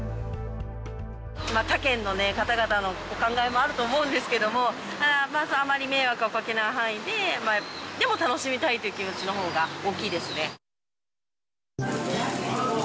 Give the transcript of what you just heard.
他県の方々のお考えもあると思うんですけども、まあ、あまり迷惑をかけない範囲で、でも楽しみたいという気持ちのほうが大きいですね。